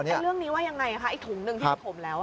เรื่องนี้ว่ายังไงคะไอ้ถุงหนึ่งที่ไปถมแล้ว